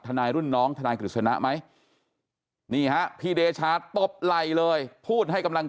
ทนายรุ่นน้องทนายกฤษณะไหมนี่ฮะพี่เดชาตบไหล่เลยพูดให้กำลัง